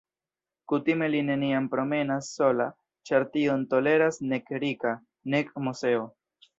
Kutime li neniam promenas sola, ĉar tion toleras nek Rika, nek Moseo.